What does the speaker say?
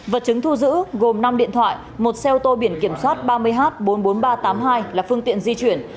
vật chứng thu giữ gồm năm điện thoại một xe ô tô biển kiểm soát ba mươi h bốn mươi bốn nghìn ba trăm tám mươi hai là phương tiện di chuyển